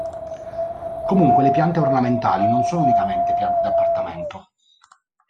Comunque le piante ornamentali non sono unicamente piante da appartamento.